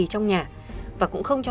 trong nhà và cũng không cho